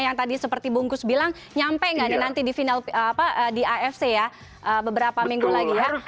yang tadi seperti bungkus bilang nyampe nggak nih nanti di final di afc ya beberapa minggu lagi ya